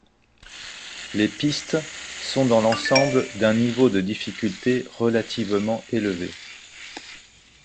Les pistes sont dans l'ensemble d'un niveau de difficulté relativement élevé.